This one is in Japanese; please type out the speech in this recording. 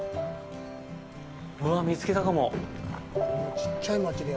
うわっ、見つけたかも！